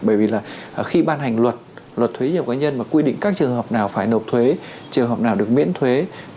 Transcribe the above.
bởi vì là khi ban hành luật luật thuế nhập cá nhân và quy định các trường hợp nào phải nộp thuế trường hợp nào được miễn thuế